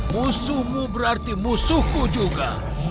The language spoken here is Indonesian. musuhmu berarti musuhku juga